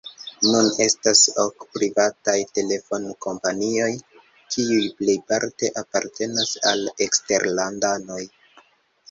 Nun estas ok privataj telefonkompanioj, kiuj plejparte apartenas al eksterlandanoj.